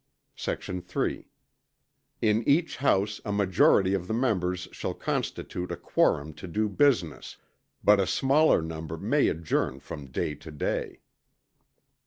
Sect. 3. In each House a majority of the members shall constitute a quorum to do business; but a smaller number may adjourn from day to day.